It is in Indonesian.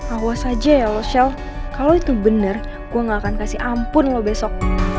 awas aja ya lo michelle kalau itu bener gue nggak akan kasih ampun lo besok